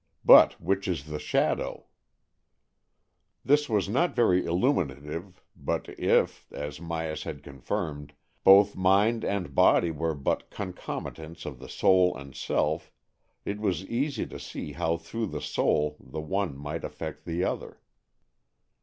But which is the shadow ?" This was not very illuminative, but if, as Myas had confirmed, both mind and body were but concomitants of the soul and self, it was easy to see how through the soul the one might affect the other.